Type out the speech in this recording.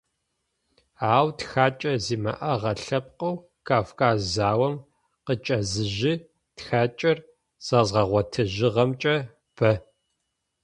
Ау тхакӏэ зимыӏэгъэ лъэпкъэу, Кавказ заом къыкӏэзыжьи, тхакӏэр зэзгъэгъотыжьыгъэмкӏэ – бэ.